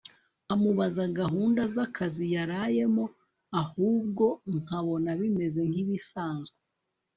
amubaze gahunda zakazi yarayemo ahubwo nkabona bimeze nkibisanzwe